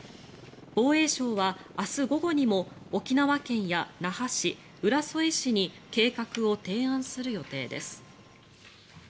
防衛省は明日午後にも沖縄県や那覇市浦添市に計画を提案する予定です。